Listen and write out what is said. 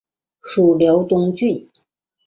属辽东郡。